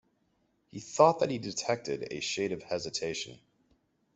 He thought that he detected a shade of hesitation.